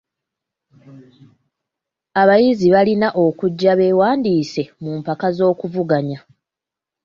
Abayizi balina okujja beewandiise mu mpaka z'okuvuganya.